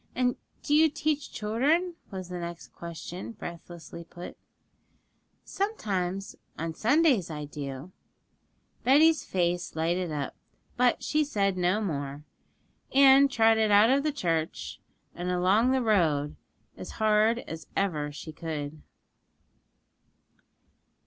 'And do you teach children?' was the next question, breathlessly put. 'Sometimes; on Sundays I do.' Betty's face lighted up, but she said no more, and trotted out of the church and along the road as hard as ever she could.